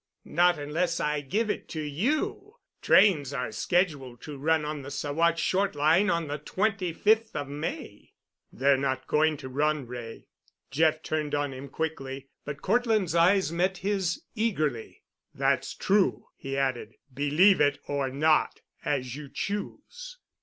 "Not unless I give it to you. Trains are scheduled to run on the Saguache Short Line on the twenty fifth of May." "They're not going to run, Wray." Jeff turned on him quickly, but Cortland's eyes met his eagerly. "That's true," he added. "Believe it or not, as you choose."